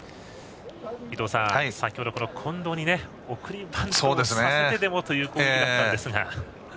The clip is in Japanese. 伊東さん、先ほど近藤に送りバントをさせてでもという攻撃だったんですが。